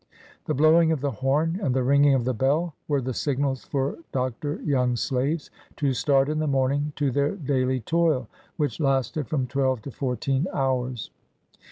The blowing of the horn and the ringing of the bell were the signals for Dr. Young's slaves to start in tne morning to their daily toil, which lasted from twelve to fourteen hours.